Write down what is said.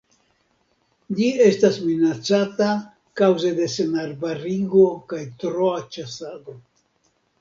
Ĝi estas minacata kaŭze de senarbarigo kaj troa ĉasado.